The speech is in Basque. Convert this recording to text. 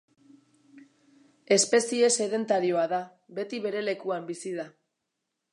Espezie sedentarioa da; beti ber lekuan bizi da.